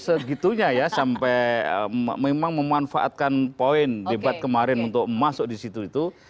segitunya ya sampai memang memanfaatkan poin debat kemarin untuk masuk di situ itu